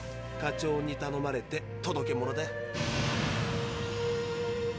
課長にたのまれて届け物だ。